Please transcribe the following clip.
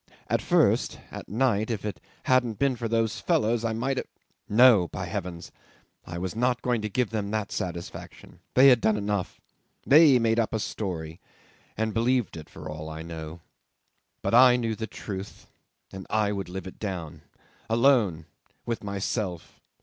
At first at night, if it hadn't been for those fellows I might have ... No! by heavens! I was not going to give them that satisfaction. They had done enough. They made up a story, and believed it for all I know. But I knew the truth, and I would live it down alone, with myself.